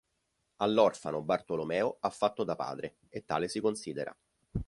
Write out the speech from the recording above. All’orfano Bartolomeo ha fatto da padre e tale si considera.